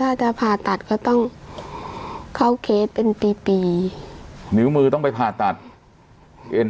ถ้าจะผ่าตัดก็ต้องเข้าเคสเป็นปีปีนิ้วมือต้องไปผ่าตัดเอ็น